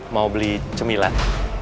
mau beli cemilan